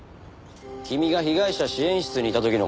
君が被害者支援室にいた時の事だよ。